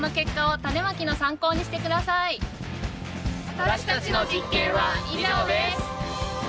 私たちの実験は以上です！